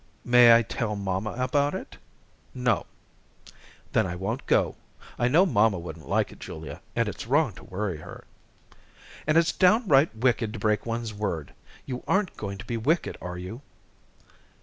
"May I tell mamma about it?" "No." "Then I won't go. I know mamma wouldn't like it, Julia, and it's wrong to worry her." "And it's downright wicked to break one's word. You aren't going to be wicked, are you?"